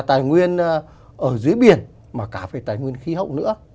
tài nguyên ở dưới biển mà cả về tài nguyên khí hậu nữa